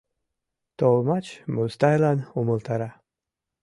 Толмач Мустайлан умылтара: